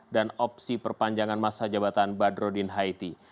dan opsi perpanjangan masa jabatan badrodin haiti